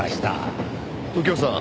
右京さん